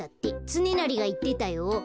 つねなりがいってたよ。